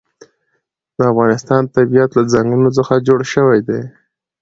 د افغانستان طبیعت له ځنګلونه څخه جوړ شوی دی.